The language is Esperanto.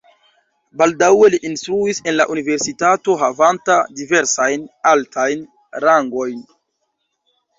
Baldaŭe li instruis en la universitato havanta diversajn altajn rangojn.